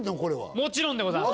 もちろんでございます。